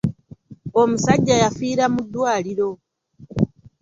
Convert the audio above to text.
Omusajja yafiira mu ddwaliro.